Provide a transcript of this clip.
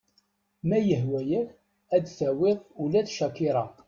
Ma yehwa-yak ad tawiḍ ula d CHAKIRA.